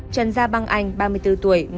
trần gia băng anh ba mươi bốn tuổi